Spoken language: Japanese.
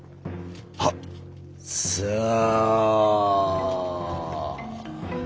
はっ。さあ。